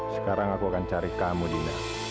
sekarang aku akan cari kamu dina